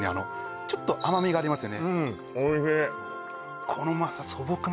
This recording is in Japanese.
ちょっと甘みがありますよね